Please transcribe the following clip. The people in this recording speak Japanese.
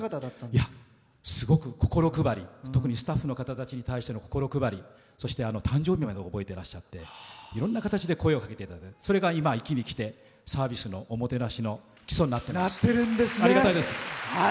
すごく特にスタッフの方たちへの心配り、そして、誕生日まで覚えていらっしゃっていろんな形で声をかけていただいてそれが今、壱岐に来てサービスのおもてなしの基礎になっています。